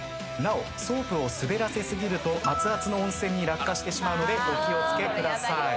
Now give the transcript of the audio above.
なおソープを滑らせ過ぎると熱々の温泉に落下してしまうのでお気を付けください。